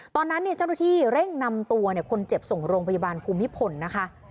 ตอนนั้นเนี่ยเจ้าหน้าที่เร่งนำตัวคนเจ็บส่งโรงพยาบาลภูมิพลนะคะ